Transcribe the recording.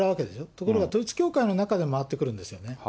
ところが統一教会の中で回ってくるんですよね。